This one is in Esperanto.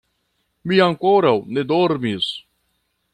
Mi ankoraŭ ne dormis.